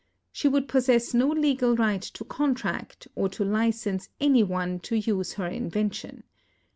She would possess no legal right to contract, or to license any one to use her invention.